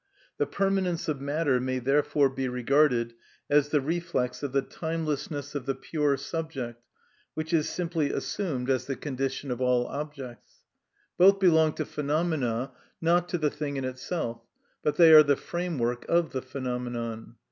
The permanence of matter may therefore be regarded as the reflex of the timelessness of the pure subject, which is simply assumed as the condition of all objects. Both belong to phenomena, not to the thing in itself, but they are the framework of the phenomenon.